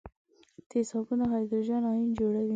تیزابونه هایدروجن ایون جوړوي.